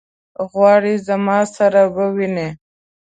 غواړي زما سره وویني.